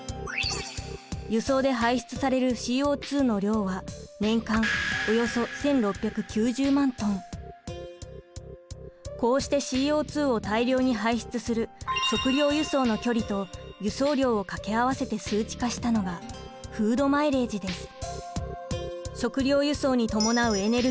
輸送で排出されるＣＯの量は年間およそこうしてＣＯを大量に排出する食料輸送の距離と輸送量を掛け合わせて数値化したのがフード・マイレージです。